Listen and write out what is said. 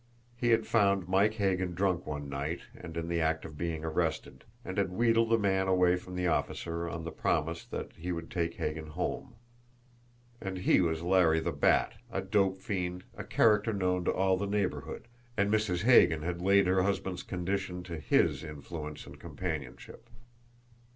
He had found Mike Hagan drunk one night, and in the act of being arrested, and had wheedled the man away from the officer on the promise that he would take Hagan home. And he was Larry the Bat, a dope fiend, a character known to all the neighbourhood, and Mrs. Hagan had laid her husband's condition to HIS influence and companionship!